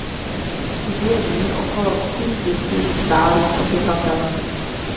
Žije v ní okolo tří tisíc stálých obyvatel.